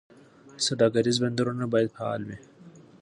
سوداګریز بندرونه باید فعال وي.